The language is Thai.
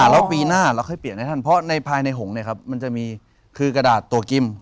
แล้วปีหน้าเราค่อยเปลี่ยนให้ท่านเพราะในภายในหงษ์มันจะมีคือกระดาษตัวกิม